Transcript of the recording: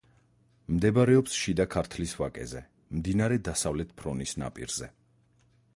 მდებარეობს შიდა ქართლის ვაკეზე, მდინარე დასავლეთ ფრონის ნაპირზე.